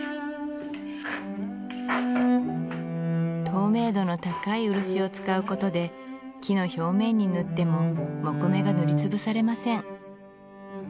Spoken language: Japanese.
透明度の高い漆を使うことで木の表面に塗っても木目が塗り潰されません